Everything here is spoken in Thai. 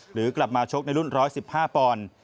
หรือกลับมาชกในรุ่น๑๑๕ปอนด์